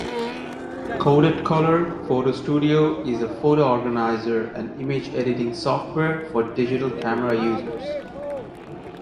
CodedColor PhotoStudio is a photo organizer and image editing software for digital camera users.